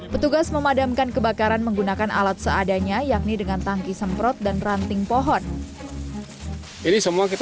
petugas memadamkan kebakaran menggunakan alat seadanya yakni dengan tangki semprot dan ranting pohon